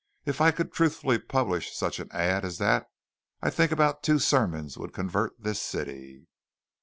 If I could truthfully publish such an ad as that I think about two sermons would convert this city."